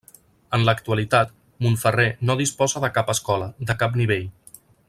En l'actualitat, Montferrer no disposa de cap escola, de cap nivell.